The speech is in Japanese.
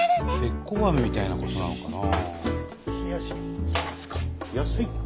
べっこうアメみたいなことなのかな？